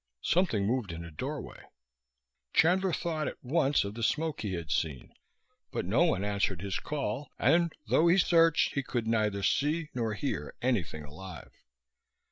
Something moved in a doorway. Chandler thought at once of the smoke he had seen, but no one answered his call and, though he searched, he could neither see nor hear anything alive.